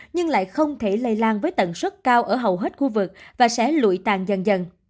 nhưng lại không thể lây lan với tần suất cao ở hầu hết khu vực và sẽ lụi tàn dần dần